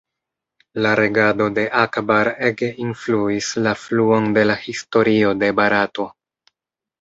La regado de Akbar ege influis la fluon de la historio de Barato.